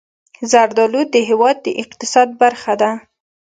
زردالو د هېواد د اقتصاد برخه ده.